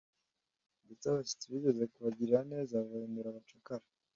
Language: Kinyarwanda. ndetse abashyitsi bigeze kubagirira neza, babahindura abacakara